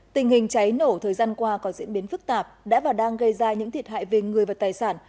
tình hình cháy nổ thời gian qua có diễn biến phức tạp đã và đang gây ra những thiệt hại về người và tài sản